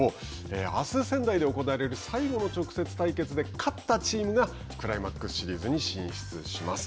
あす仙台で行われる最後の直接対決で勝ったチームがクライマックスシリーズに進出します。